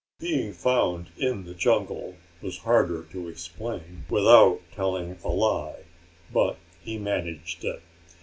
Being found in the jungle was harder to explain without telling a lie but he managed it.